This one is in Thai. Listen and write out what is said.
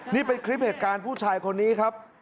นี่เป็นคลิปเหตุการณ์ผู้ชายคนนี้ครับ